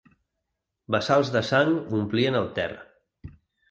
Bassals de sang omplien el terra.